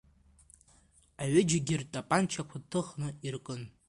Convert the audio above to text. Аҩыџьагьы ртапанчақәа ҭыхны иркын.